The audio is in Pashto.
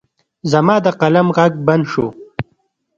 زما د قلم غږ بند شو.